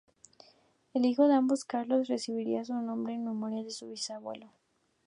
El hijo de ambos, Carlos, recibiría su nombre en memoria de su bisabuelo.